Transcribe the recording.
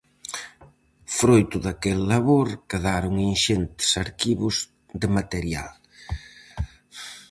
Froito daquel labor quedaron inxentes arquivos de material.